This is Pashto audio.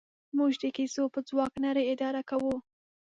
موږ د کیسو په ځواک نړۍ اداره کوو.